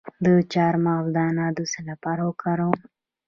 د چارمغز دانه د څه لپاره وکاروم؟